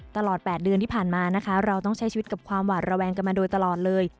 ตลอด๘เดือนที่ผ่านมานะคะเราต้องใช้ชีวิตกับความหวาดระแวงกันมาโดยตลอดเลย